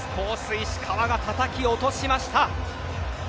石川がたたき落としました。